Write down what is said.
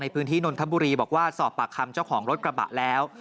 พื้นที่นนทบุรีบอกว่าสอบปากคำเจ้าของรถกระบะแล้ว